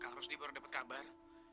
kak rusdi baru dapet kabar